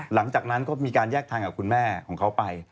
หลังจากนั้นก็มีการแยกทางกับคุณแม่ของเขาไป